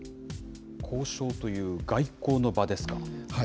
交渉という外交の場ですか。